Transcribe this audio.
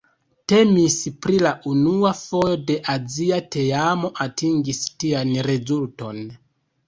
Temis pri la unua fojo ke azia teamo atingis tian rezulton.